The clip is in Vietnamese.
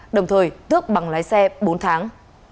đồng thời thước bằng lái xe bốn tháng